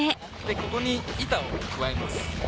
ここに板を加えます。